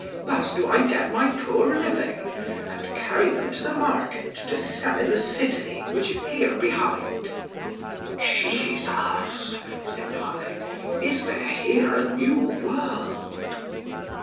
Thus do I get my poor living, and carry them to the market to sell in the city which is here behind. Jesus! said I, is there here a new world?